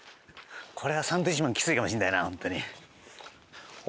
これはサンドウィッチマンきついかもしれないな本当に。